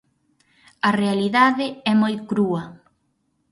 A realidade é moi crúa.